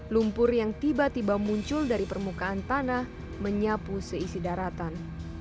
lumpur yang tiba tiba muncul dari permukaan tanah menyapu seisi daratan